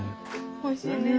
おいしいね。